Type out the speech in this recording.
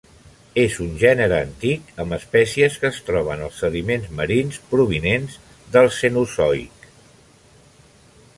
És un gènere antic amb espècies que es troben als sediments marins provinents del Cenozoic.